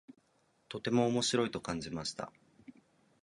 とても面白いと感じました。